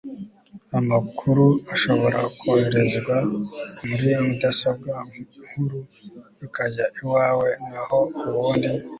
amakuru ashobora koherezwa muri mudasobwa nkuru ikajya iwawe, naho ubundi